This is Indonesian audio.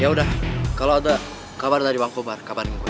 ya udah kalau ada kabar dari bang cobar kita cari bang cobar